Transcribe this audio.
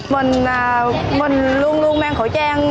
mình luôn luôn mang khẩu trang